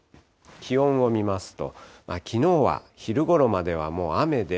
気温を見ますと、きのうは昼ごろまではもう雨で。